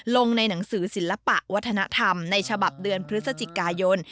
ลงในหนังสือศิลปะวัฒนธรรมในฉบับเดือนพฤศจิกายน